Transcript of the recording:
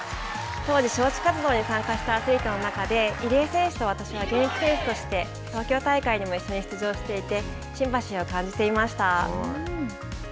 当時、招致活動に参加したアスリートの中で入江選手と私は現役選手として東京大会にも一緒に出場していてシンパシーを感じていました。